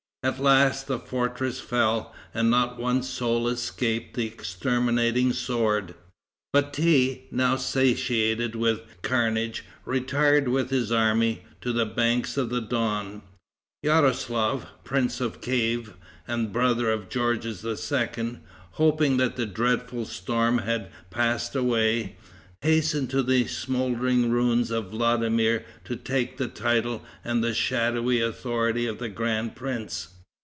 At last the fortress fell, and not one soul escaped the exterminating sword. Bati, now satiated with carnage, retired, with his army, to the banks of the Don. Yaroslaf, prince of Kief, and brother of Georges II., hoping that the dreadful storm had passed away, hastened to the smouldering ruins of Vladimir to take the title and the shadowy authority of Grand Prince.